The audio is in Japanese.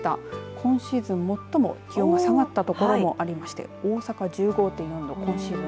今シーズン最も気温が下がったところもありまして大阪１５．４度今シーズン